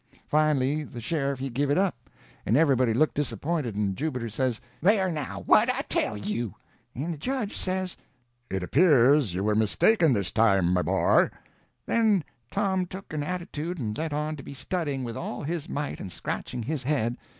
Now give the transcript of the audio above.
Finally the sheriff he give it up, and everybody looked disappointed, and Jubiter says: "There, now! what'd I tell you?" And the judge says: "It appears you were mistaken this time, my boy." Then Tom took an attitude and let on to be studying with all his might, and scratching his head.